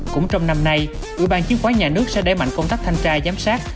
cũng trong năm nay ủy ban chứng khoán nhà nước sẽ đẩy mạnh công tác thanh tra giám sát